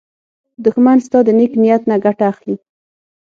دښمن ستا د نېک نیت نه ګټه اخلي